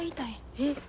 えっ！